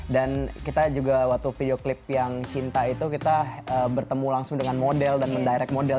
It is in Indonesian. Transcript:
dan kita juga waktu video klip yang cinta itu kita bertemu langsung dengan model dan mendirect model